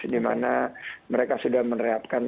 di mana mereka sudah menerapkan